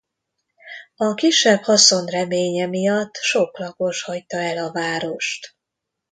A kisebb haszon reménye miatt sok lakos hagyta el a várost.